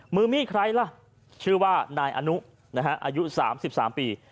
มือมีดใครล่ะชื่อว่านายอนุอายุ๓๓ปี